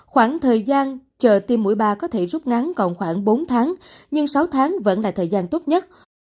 khoảng thời gian chờ tiêm mũi ba có thể rút ngắn còn khoảng bốn tháng nhưng sáu tháng vẫn là thời gian tốt nhất